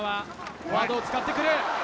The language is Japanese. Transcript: フォワードを使ってくる。